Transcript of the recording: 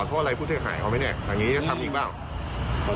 โทษอะไรผู้เสียหายเขาไหมเนี่ยทางนี้จะทำอีกเปล่า